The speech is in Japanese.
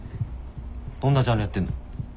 どんなジャンルやってんの？